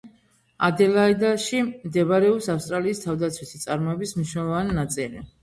ადელაიდაში მდებარეობს ავსტრალიის თავდაცვითი წარმოების მნიშვნელოვანი ნაწილი.